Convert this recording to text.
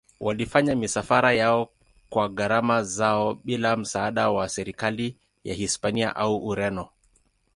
Walifanya misafara yao kwa gharama zao bila msaada wa serikali ya Hispania au Ureno.